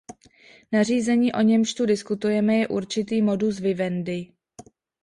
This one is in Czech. Nařízení, o němž tu diskutujeme, je určitý modus vivendi.